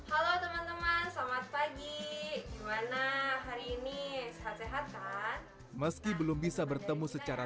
halo teman teman selamat pagi gimana hari ini sehat sehat kan meski belum bisa bertemu secara